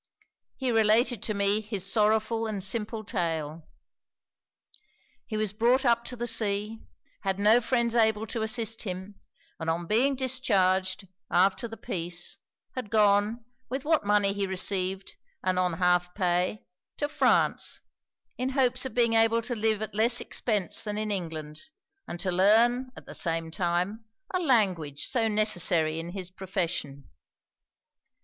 He related to me his sorrowful and simple tale. He was brought up to the sea; had no friends able to assist him; and on being discharged, after the peace, had gone, with what money he received, and on half pay, to France, in hopes of being able to live at less expence than in England, and to learn, at the same time, a language so necessary in his profession.